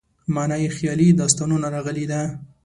معنا یې خیالي داستانونه راغلې ده.